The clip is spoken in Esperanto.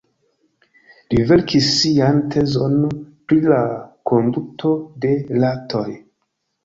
Li verkis sian tezon pri la konduto de ratoj.